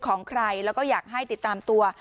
ของใครแล้วก็อยากให้ติดตามตัว